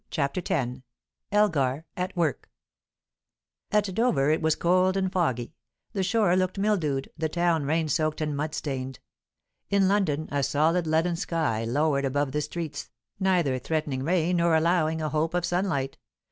CHAPTER X ELGAR AT WORK At Dover it was cold and foggy; the shore looked mildewed, the town rain soaked and mud stained. In London, a solid leaden sky lowered above the streets, neither threatening rain nor allowing a hope of sunlight.